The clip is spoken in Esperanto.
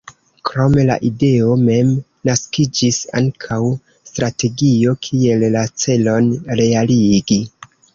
Krom la ideo mem naskiĝis ankaŭ strategio kiel la celon realigi.